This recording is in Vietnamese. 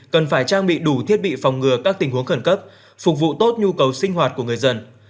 cần phải trang bị đủ thiết bị phòng ngừa các tình huống khẩn cấp phục vụ tốt nhu cầu sinh hoạt của người dân